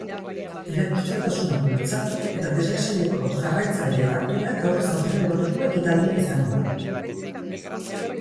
Irakurzaletasuna bultzatu eta telesaileko jarraitzaile eta aktoreak aurrez aurre egoteko ekitaldia izango da.